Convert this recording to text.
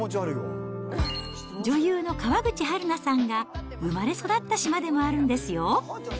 女優の川口春奈さんが生まれ育った島でもあるんですよ。